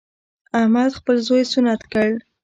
احمد خپل زوی سنت کړ.